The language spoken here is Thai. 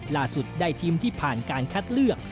ล่าสุดได้ทีมที่ผ่านการคัดเลือก